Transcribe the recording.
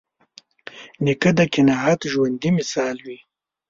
نیکه د قناعت ژوندي مثال وي.